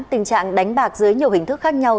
tình trạng đánh bạc dưới nhiều hình thức khác nhau